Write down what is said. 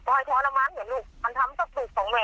โทรมานเหมือนลูกมันทำ๑๑ไหม